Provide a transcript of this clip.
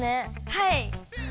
はい。